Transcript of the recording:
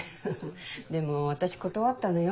でも私断ったのよ。